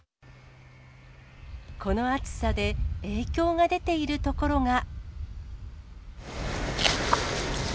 この暑さで、影響が出ている所が。